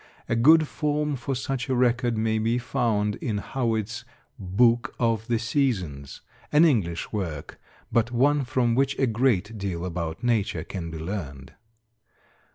A good form for such a record may be found in Howitt's "Book of the Seasons," an English work, but one from which a great deal about nature can be learned.